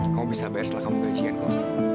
kamu bisa bayar setelah kamu gajian kok